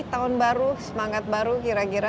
tahun baru semangat baru kira kira